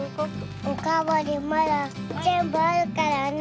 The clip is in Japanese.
おかわりまだぜんぶあるからね。